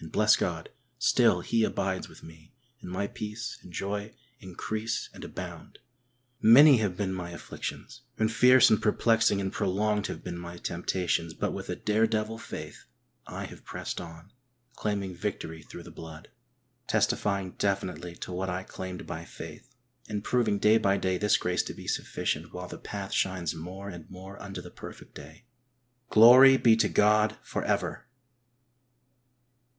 bless God ! still He abides with me and my peace and joy increase and abound. Many have been my afflictions, and fierce and perplexing and prolonged have been my temptations, but with a dare devil faith I have pressed on, claiming victory through the blood, 12 HEART TALKS ON HOLINESS. testifying definitely to what I claimed by faith, and proving day by day this grace to be sufficient while the path shines more and more unto the perfect day. Glory be to God for ever